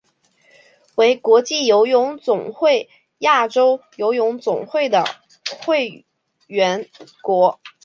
为国际游泳总会和亚洲游泳总会的会员国。